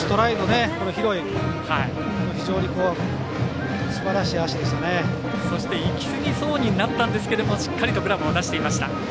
行き過ぎそうになったんですけどしっかりとグラブを出していました。